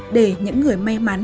để những người may mắn